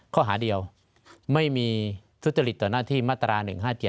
ข้อหาเดียวไม่มีทุจริตต่อหน้าที่มาตรา๑๕๗